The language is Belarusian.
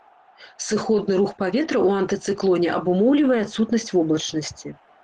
Сыходны рух паветра ў антыцыклоне абумоўлівае адсутнасць воблачнасці.